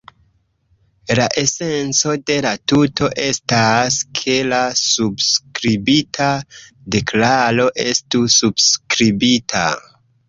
La esenco de la tuto estas, ke la subskribita deklaro estu subskribita.